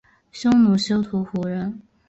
匈奴休屠胡人。